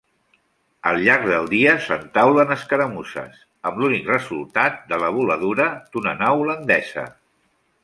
Al llarg del dia s'entaulen escaramusses, amb l'únic resultat de la voladura d'una nau holandesa.